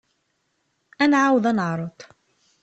Ad nɛawed ad neɛreḍ.